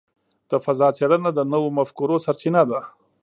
د فضاء څېړنه د نوو مفکورو سرچینه ده.